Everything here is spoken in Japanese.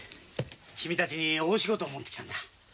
君たちに大仕事を持ってきたんだ。